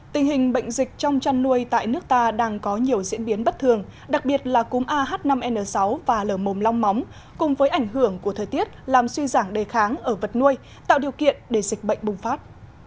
tình hình bệnh dịch trong chăn nuôi tại nước ta đang có nhiều diễn biến bất thường đặc biệt là cúm ah năm n sáu và lờ mồm long móng cùng với ảnh hưởng của thời tiết làm suy giảng đề kháng ở vật nuôi tạo điều kiện để dịch bệnh bùng phát